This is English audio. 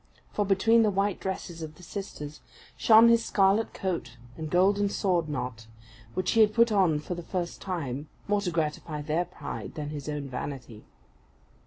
For between the white dresses of the sisters, shone his scarlet coat and golden sword knot, which he had put on for the first time, more to gratify their pride than his own vanity.